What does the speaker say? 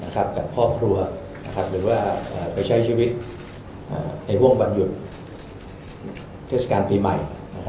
กับครอบครัวหรือว่าไปใช้ชีวิตในห่วงวันหยุดเทศกาลปีใหม่